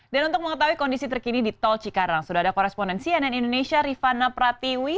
dan untuk mengetahui kondisi terkini di tol cikarang sudah ada koresponen cnn indonesia rifana pratiwi